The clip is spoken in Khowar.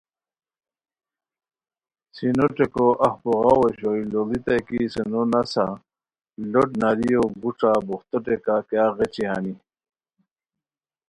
سینو ٹیکو اف بوغاؤ اوشوئے لُوڑیتائے کی سینو نسہ لُوٹ ناریو گوݯھا بوختو ٹیکہ کیاغ غیچھی ہانی